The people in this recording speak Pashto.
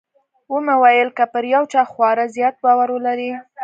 ومې ويل که پر يو چا خورا زيات باور ولرې.